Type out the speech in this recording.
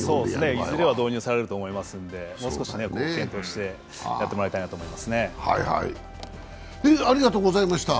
いずれは導入されると思いますので、もう少し検討してやってもらいたいなと思いますね。